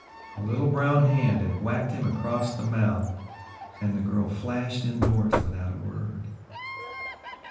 A little brown hand had whacked him across the mouth, and the girl flashed indoors without a word.